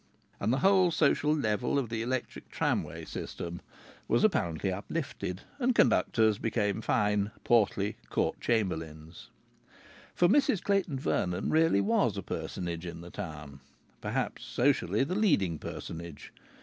And the whole social level of the electric tramway system was apparently uplifted, and conductors became fine, portly court chamberlains. For Mrs Clayton Vernon really was a personage in the town perhaps, socially, the leading personage.